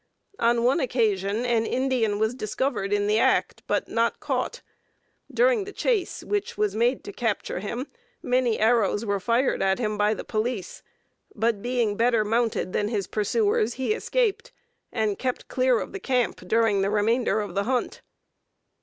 On one occasion an Indian was discovered in the act, but not caught. During the chase which was made to capture him many arrows were fired at him by the police, but being better mounted than his pursuers he escaped, and kept clear of the camp during the remainder of the hunt.